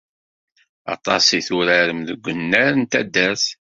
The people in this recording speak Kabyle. Aṭas i turarem deg wannar n taddart.